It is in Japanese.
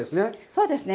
そうですね。